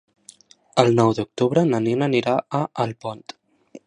El nou d'octubre na Nina anirà a Alpont.